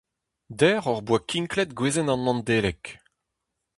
Dec'h hor boa kinklet gwezenn an Nedeleg.